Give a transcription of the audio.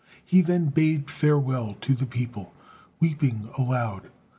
He then bade farewell to the people, weeping aloud.